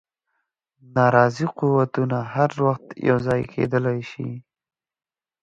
ناراضي قوتونه هر وخت یو ځای کېدلای شي.